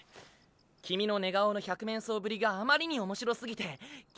キミの寝顔の百面相ぶりがあまりに面白すぎて気になってな。